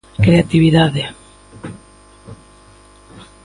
Creatividade.